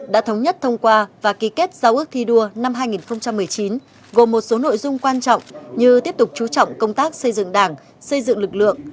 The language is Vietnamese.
đã thống nhất thông qua và ký kết giao ước thi đua năm hai nghìn một mươi chín gồm một số nội dung quan trọng như tiếp tục chú trọng công tác xây dựng đảng xây dựng lực lượng